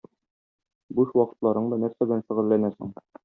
Буш вакытларыңда нәрсә белән шөгыльләнәсең?